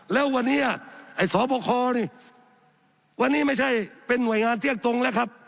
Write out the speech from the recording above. แล้ววันนี้ไอ้สบคนี่วันนี้ไม่ใช่เป็นหน่วยงานเที่ยงตรงแล้วครับ